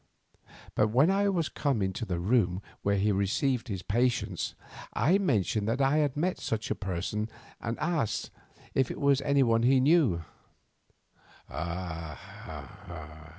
But when I was come into the room where he received his patients, I mentioned that I had met such a person and asked if it was any one whom I knew. "Ah!